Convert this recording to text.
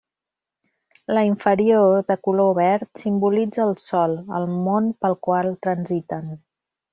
La inferior, de color verd, simbolitza el sòl, el món pel qual transiten.